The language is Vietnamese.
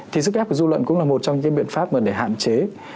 thì sức ép của dư luận cũng là một trong những biện pháp mà để hạn chế